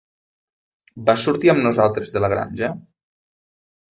Vas sortir amb nosaltres de La granja?